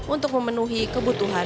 untuk memenuhi kebutuhan